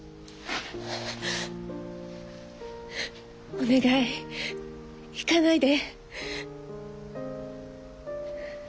お願い行かないで。